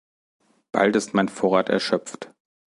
Bald ist mein Vorrat erschöpft.